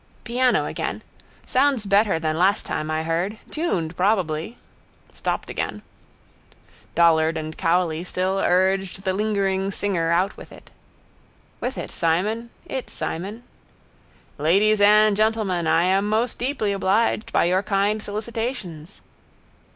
Piano again. Sounds better than last time I heard. Tuned probably. Stopped again. Dollard and Cowley still urged the lingering singer out with it. —With it, Simon. —It, Simon. —Ladies and gentlemen, I am most deeply obliged by your kind solicitations.